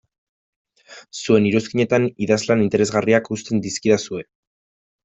Zuen iruzkinetan idazlan interesgarriak uzten dizkidazue.